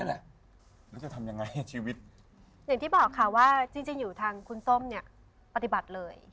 อย่างที่บอกค่ะว่าจริงอยู่ทางคุณส้มเนี่ยปฏิบัติเลย